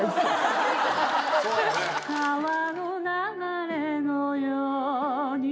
「川の流れのように」